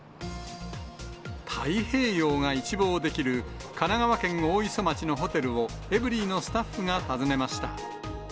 太平洋が一望できる神奈川県大磯町のホテルを、エブリィのスタッフが訪ねました。